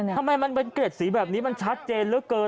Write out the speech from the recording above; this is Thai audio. ทำไมมันเป็นเกร็ดสีแบบนี้มันชัดเจนเหลือเกิน